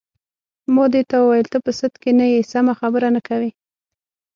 ما دې ته وویل: ته په سد کې نه یې، سمه خبره نه کوې.